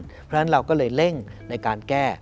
เพราะฉะนั้นเราก็เลยเร่งในการแก้